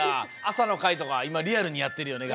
朝の会とかいまリアルにやってるよね？